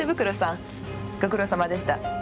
ご苦労様でした。